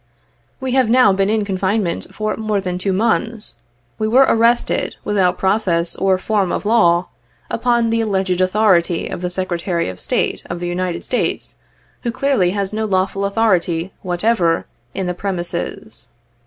We have now been in coufincmeut for more than two months. We were arrested, without process or form of law, upon the alleged authority of the Secretary of State of the United States, who clearly baa no lawful authority, whatever, in the premises.